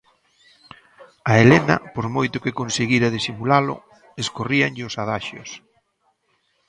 A Helena, por moito que conseguira disimulalo, escorríanlle os adaxios.